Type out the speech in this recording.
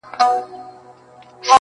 • په سپين لاس کي يې دی سپين سگريټ نيولی.